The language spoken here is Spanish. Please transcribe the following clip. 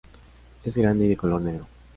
Es grande y de color negro.